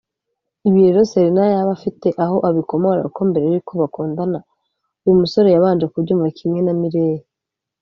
Ibi rero Selena yaba afite aho abikomora kuko mbere yuko bakundana uyu musore yabanje kubyumva kimwe na Miley